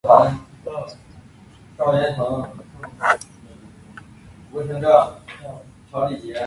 有某种程度的链接